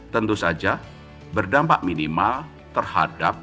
tentu saja berdampak minimal terhadap